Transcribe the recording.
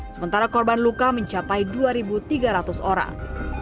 sementara korban luka mencapai dua tiga ratus orang